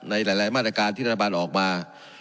ในหลายมาตรการที่รัฐบาลออกมา